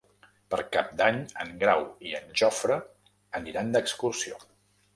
Per Cap d'Any en Grau i en Jofre aniran d'excursió.